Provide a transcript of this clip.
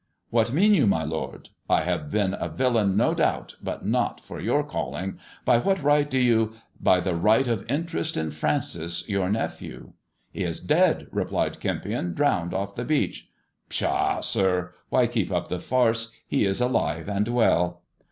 " "What mean you, my lord ] I have been a villain, no doubt, but not for your calling. By what right do you ]"" By the right of interest in Francis, your nephew." " He is dead I " replied Kempion, " drowned off the beach." "Pshaw, sir! Why keep up the farce] He is alive and well."